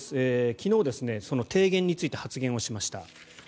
昨日、提言について発言をしました。